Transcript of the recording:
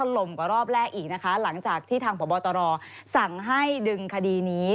ลมกว่ารอบแรกอีกนะคะหลังจากที่ทางพบตรสั่งให้ดึงคดีนี้